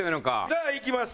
じゃあいきます。